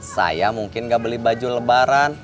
saya mungkin nggak beli baju lebaran